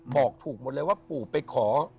บอกถูกหมดเลยว่าปู่ไปขอ